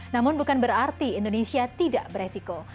namun bukan berarti indonesia tidak beresiko